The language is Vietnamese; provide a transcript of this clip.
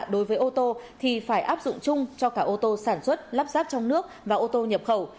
đối với ô tô thì phải áp dụng chung cho cả ô tô sản xuất lắp ráp trong nước và ô tô nhập khẩu